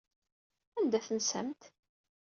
Anda tensamt?